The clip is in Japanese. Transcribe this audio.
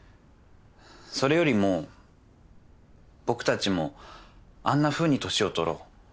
それよりも僕たちもあんなふうに年を取ろう。